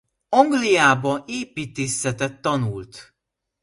Angliában építészetet tanult.